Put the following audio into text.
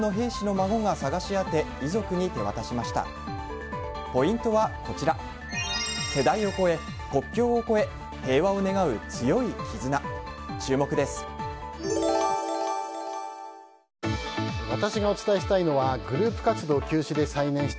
ポイントはこちら世代を越え、国境を越え平和を願う強い絆、注目です。